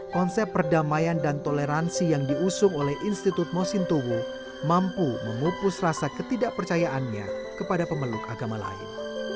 konsep perdamaian dan toleransi yang diusung oleh institut mosintowo mampu memupus rasa ketidakpercayaannya kepada pemeluk agama lain